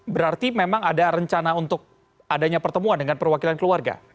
berarti memang ada rencana untuk adanya pertemuan dengan perwakilan keluarga